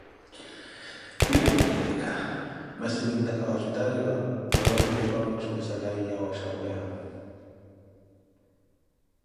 Miiyo kiniipikha masi kintakha wajutariwa yoori nyuupa weettho esala yiiya yooxhapweya.